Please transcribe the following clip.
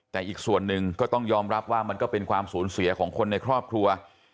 แต่อีกส่วนหนึ่งก็ต้องยอมรับว่ามันก็เป็นความสูญเสียของคนในครอบครัว